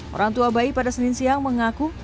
orang tua bayi pada senin siang mengaku